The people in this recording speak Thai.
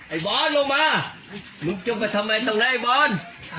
ไอ้บอลลงมานุ้งจะไปทำไมตรงนี้ไอ้บอล